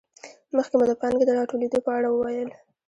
مخکې مو د پانګې د راټولېدو په اړه وویل